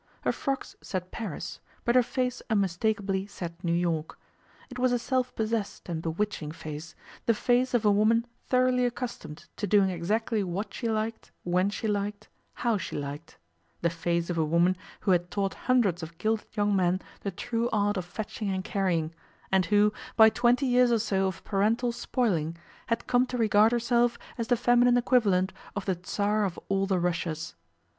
Her frocks said Paris, but her face unmistakably said New York. It was a self possessed and bewitching face, the face of a woman thoroughly accustomed to doing exactly what she liked, when she liked, how she liked: the face of a woman who had taught hundreds of gilded young men the true art of fetching and carrying, and who, by twenty years or so of parental spoiling, had come to regard herself as the feminine equivalent of the Tsar of All the Russias.